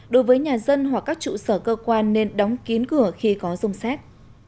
đối với nhà dân hoặc các trụ sở cơ quan nên đóng kín cửa khi có rung xét